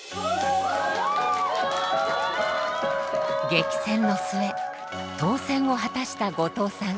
激戦の末当選を果たした後藤さん。